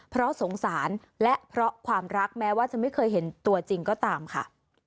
เพราะสงสารและเพราะความรักแม้ว่าจะไม่เคยเห็นตัวจริงก็ตามค่ะ